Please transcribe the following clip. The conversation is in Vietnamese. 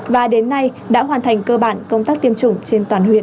và đến nay đã hoàn thành cơ bản công tác tiêm chủng trên toàn huyện